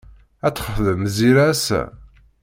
Ad texdem Zira ass-a?